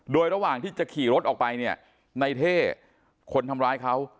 โดยระหว่างที่จะขี่รถออกไปเนี่ยในเท่คนทำร้ายเขา